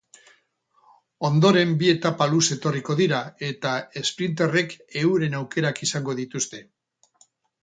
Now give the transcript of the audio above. Ondoren bi etapa luze etorriko dira, eta esprinterrek euren aukerak izango dituzte.